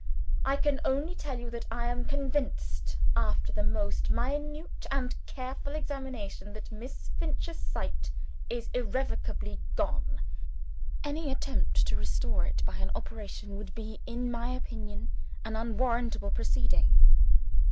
"I can only tell you that I am convinced after the most minute and careful examination that Miss Finch's sight is irrevocably gone. Any attempt to restore it by an operation, would be, in my opinion, an unwarrantable proceeding.